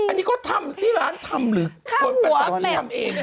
อันนี้ก็ทำที่ร้านทำหรือลดใบนี้